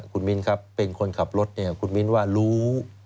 คุณมิ้นครับเป็นคนขับรถเนี่ยคุณมิ้นว่ารู้